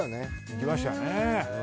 行きましたね。